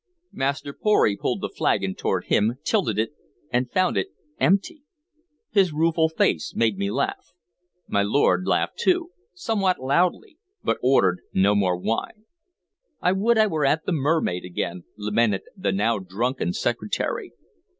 Master Pory pulled the flagon toward him, tilted it, and found it empty. His rueful face made me laugh. My lord laughed too, somewhat loudly, but ordered no more wine. "I would I were at the Mermaid again," lamented the now drunken Secretary.